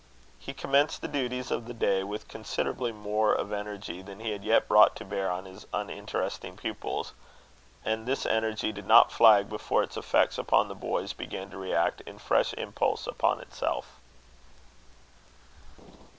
He commenced the duties of the day with considerably more of energy than he had yet brought to bear on his uninteresting pupils; and this energy did not flag before its effects upon the boys began to react in fresh impulse upon itself.